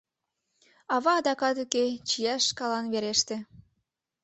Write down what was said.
Ава адакат уке, чияш шкалан вереште.